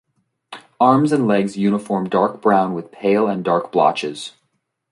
Arms and legs uniform dark brown with pale and dark blotches.